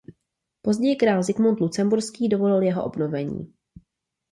Později král Zikmund Lucemburský dovolil jeho obnovení.